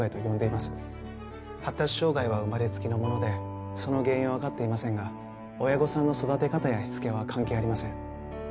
発達障害は生まれつきのものでその原因はわかっていませんが親御さんの育て方やしつけは関係ありません。